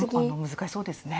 難しそうですね。